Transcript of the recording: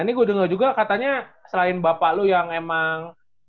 ini gue dengar juga katanya selain bapak lu yang emang